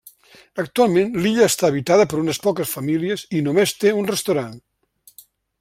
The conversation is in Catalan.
Actualment, l'illa està habitada per unes poques famílies i només té un restaurant.